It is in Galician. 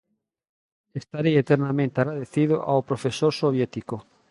Estarei eternamente agradecido ao profesor soviético.